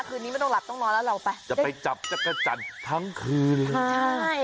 คืนนี้ไม่ต้องหลับต้องนอนแล้วเราไปจะไปจับจักรจันทร์ทั้งคืนเลยใช่